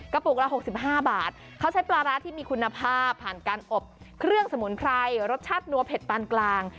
ปลูกละ๖๕บาทเขาใช้ปลาร้าที่มีคุณภาพผ่านการอบเครื่องสมุนไพรรสชาตินัวเผ็ดปานกลาง